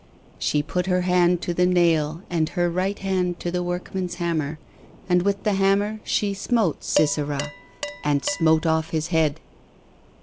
She put her hand to the nail and her right hand to the workman's hammer, and with the hammer she smote Sisera and smote off his head."